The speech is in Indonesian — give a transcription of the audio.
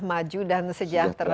tapi ini juga memiliki segudang potensi